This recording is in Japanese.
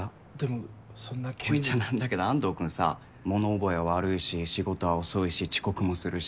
こう言っちゃなんだけど安藤君さ物覚えは悪いし仕事は遅いし遅刻もするし。